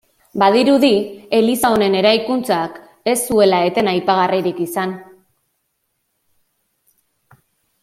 Badirudi eliza honen eraikun-tzak ez zuela eten aipagarririk izan.